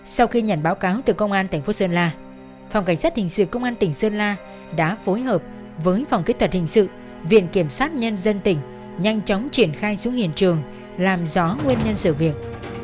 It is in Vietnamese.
sau khi nhận báo cáo từ công an tp sơn la phòng cảnh sát hình sự công an tỉnh sơn la đã phối hợp với phòng kỹ thuật hình sự viện kiểm sát nhân dân tỉnh nhanh chóng triển khai xuống hiện trường làm rõ nguyên nhân sự việc